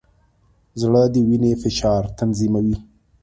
زړه د وینې فشار تنظیموي.